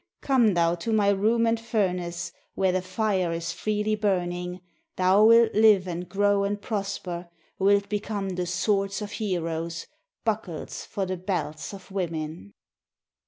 Come thou to my room and furnace, Where the fire is freely burning, Thou wilt live and grow and prosper. Wilt become the swords of heroes, Buckles for the belts of women."